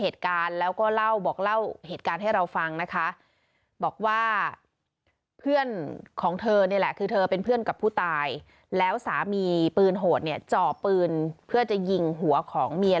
ตายแล้วสามีปืนโหดเนี่ยเจาะปืนเพื่อจะยิงหัวของเมีย